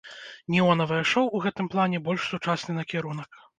Неонавае шоў у гэтым плане больш сучасны накірунак.